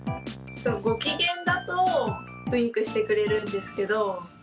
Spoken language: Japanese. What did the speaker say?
ご機嫌だと、ウインクしてくれるんですけど。